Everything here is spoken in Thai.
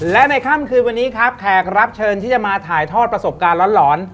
และในค่ำคืนวันนี้ครับแขกรับเชิญที่จะมาถ่ายทอดประสบการณ์หลอน